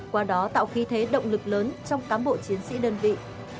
qua đó tạo khí thế động lực lớn trong cám bộ chiến sĩ đơn vị